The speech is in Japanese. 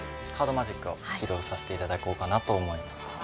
カードマジックを披露させていただこうかなと思います。